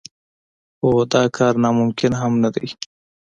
خو دا کار ناممکن هم نه دی.